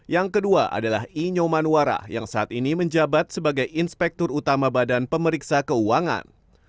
yang kedua adalah inyomanwara yang saat ini menjabat sebagai inspektur utama badan pemeriksa keuangan